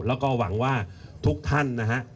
แล้วก็หวังว่าทุกท่านนะฮะ